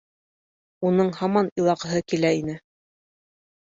Уның һаман илағыһы килә ине.